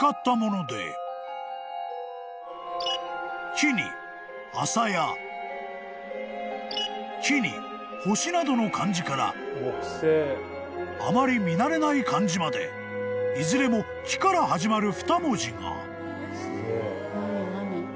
［「木」に「麻」や「木」に「星」などの漢字からあまり見慣れない漢字までいずれも「木」から始まる２文字が］